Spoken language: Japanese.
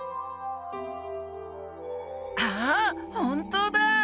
あっ本当だ！